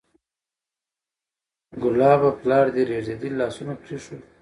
کلابه! پلار دې رېږدېدلي لاسونه پرېښود